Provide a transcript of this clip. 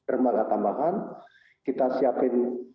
rembaga tambahan kita siapkan